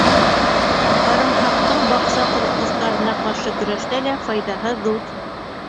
Һарымһаҡтың баҡса ҡоротҡостарына ҡаршы көрәштә лә файҙаһы ҙур.